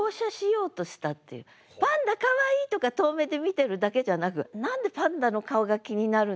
「パンダかわいい！」とか遠目で見てるだけじゃなく「何でパンダの顔が気になるんだろう？」。